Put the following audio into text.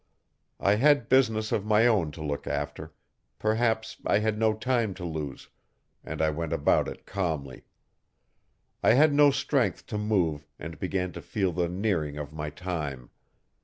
I had business of my own to look after perhaps I had no time to lose and I went about it calmly. I had no strength to move and began to feel the nearing of my time.